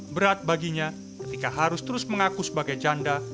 berat baginya ketika harus terus mengaku sebagai janda